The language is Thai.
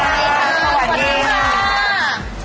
วันนี้เราจะเป็นร้าน